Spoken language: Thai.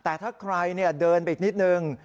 แต่ถ้าใครเดินไปอีกนิดนึง